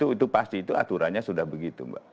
itu pasti itu aturannya sudah begitu mbak